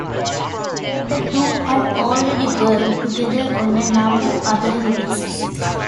The two had already worked together on a number of other releases.